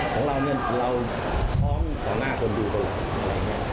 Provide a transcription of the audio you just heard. ของเราเนี่ยเราซ้อมต่อหน้าคนดูคนหลัง